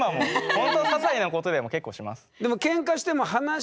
ほんとささいなことでも結構します。